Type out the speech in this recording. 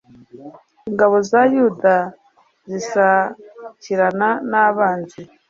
ingabo za yuda zisakirana n'abanzi